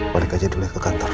balik aja dulu ya ke kantor